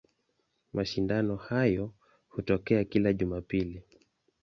Mashindano hayo hutokea kila Jumapili.